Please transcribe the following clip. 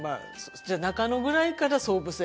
じゃあ中野ぐらいから総武線に。